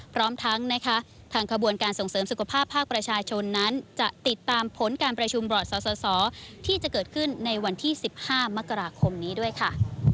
พร้อมทั้งนะคะทางขบวนการส่งเสริมสุขภาพภาคประชาชนนั้นจะติดตามผลการประชุมบรอดสอสอที่จะเกิดขึ้นในวันที่๑๕มกราคมนี้ด้วยค่ะ